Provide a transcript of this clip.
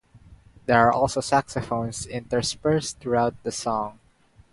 There are also saxophones interspersed throughout the song.